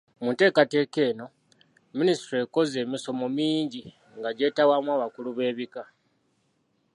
Mu nteekateeka eno, minisitule ekoze emisomo mingi nga gyetabwaamu abakulu b'ebika.